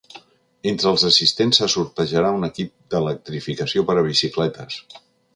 Entre els assistents se sortejarà un equip d’electrificació per a bicicletes.